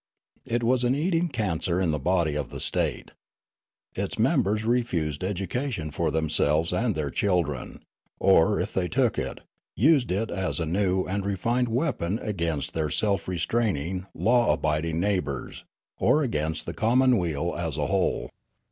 It was an eating cancer in the body of the state. Its members refused education for them selves and their children, or, if they took it, used it as a new and refined weapon against their .self restraining, law abiding neighbours, or against the commonweal as a whole.